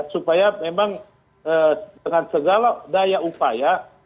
supaya memang dengan segala daya upaya